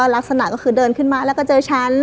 ลักษณะก็คือเดินขึ้นมาแล้วก็เจอฉัน